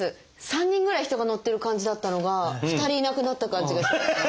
３人ぐらい人が乗ってる感じだったのが２人いなくなった感じがしてます。